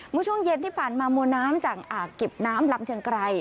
เมื่อช่วงเย็นที่ผ่านมามวลน้ำจากอ่างเก็บน้ำลำเชียงไกร